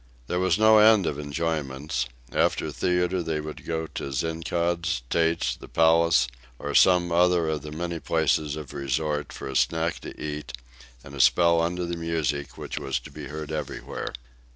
There was no end of enjoyments. After the theatre they would go to Zinkaud's, Tate's, the Palace or some other of the many places of resort, for a snack to eat and a spell under the music, which was to be heard everywhere.